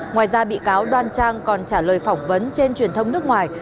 ngoài ra bị cáo đoan trang còn trả lời phỏng vấn trên truyền thông nước ngoài